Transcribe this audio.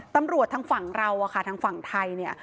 ตำรวจทางฝั่งเราอะค่ะทางฝั่งไทยเนี่ย